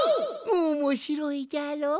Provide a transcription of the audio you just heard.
おもしろいじゃろ？